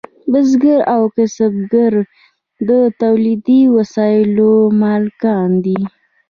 بزګر او کسبګر د تولیدي وسایلو مالکان دي.